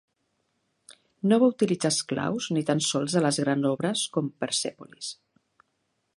No va utilitzar esclaus ni tan sols a les grans obres com Persèpolis.